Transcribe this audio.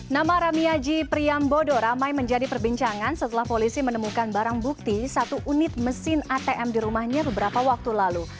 nama ramiyaji priyambodo ramai menjadi perbincangan setelah polisi menemukan barang bukti satu unit mesin atm di rumahnya beberapa waktu lalu